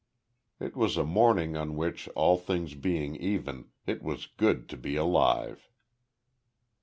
It was a morning on which, all things being even, it was good to be alive.